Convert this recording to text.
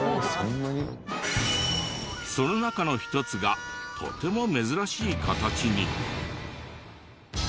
その中の一つがとても珍しい形に。